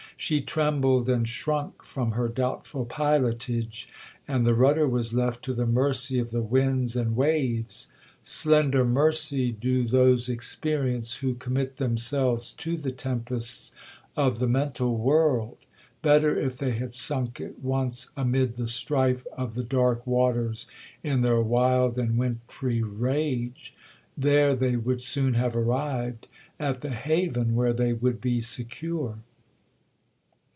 She trembled and shrunk from her doubtful pilotage, and the rudder was left to the mercy of the winds and waves. Slender mercy do those experience who commit themselves to the tempests of the mental world—better if they had sunk at once amid the strife of the dark waters in their wild and wintry rage; there they would soon have arrived at the haven where they would be secure.